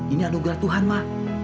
ini anugerah tuhan ma